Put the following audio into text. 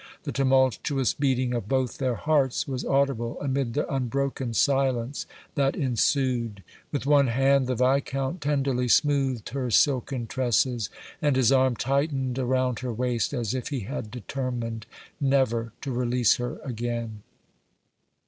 The tumultuous beating of both their hearts was audible amid the unbroken silence that ensued. With one hand the Viscount tenderly smoothed her silken tresses, and his arm tightened around her waist as if he had determined never to release her again.